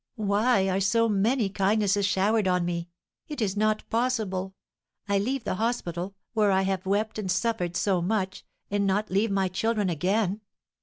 "Why are so many kindnesses showered on me? It is not possible! I leave the hospital, where I have wept and suffered so much, and not leave my children again!